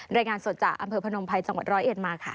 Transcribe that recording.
รายงานสดจากอำเภอพนมภัยจังหวัดร้อยเอ็ดมาค่ะ